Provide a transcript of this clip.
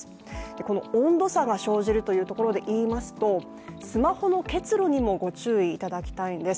この温度差が生じるというところでいいますと、スマホの結露にもご注意いただきたいんです。